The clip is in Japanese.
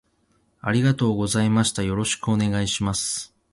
ありがとうございましたよろしくお願いします